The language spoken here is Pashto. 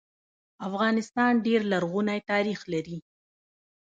افغانستان ډير لرغونی تاریخ لري